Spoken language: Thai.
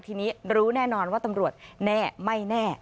ทีนี้รู้แน่นอนว่าตำรวจแน่ไม่แน่